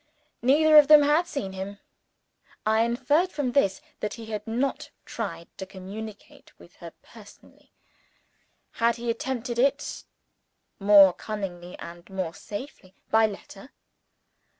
Neither of them had seen him. I inferred from this that he had not tried to communicate with her personally. Had he attempted it (more cunningly and more safely) by letter?